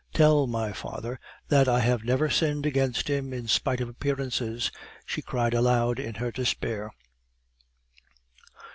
Tell my father that I have never sinned against him in spite of appearances!" she cried aloud in her despair.